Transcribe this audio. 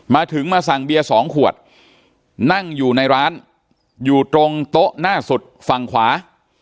มาถึงมาสั่งเบียร์๒ขวดนั่งอยู่ในร้านอยู่ตรงโต๊ะหน้าสุดฝั่งขวา